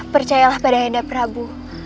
percayalah pada ayahanda prabu